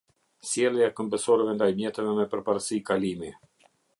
Sjellja e këmbësorëve ndaj mjeteve me përparësi kalimi.